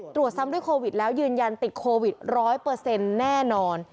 ตรวจซ้ำด้วยโควิดแล้วยืนยันติดโควิด๑๐๐แน่นอน